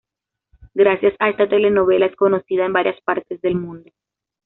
Gracias a esta telenovela es conocida en varias partes del mundo.